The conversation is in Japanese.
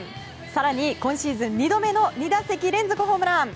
更に今シーズン２度目の２打席連続ホームラン。